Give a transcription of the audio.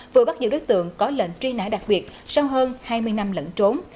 vừa bắt giữ đối tượng có lệnh truy nã đặc biệt sau hơn hai mươi năm lẫn trốn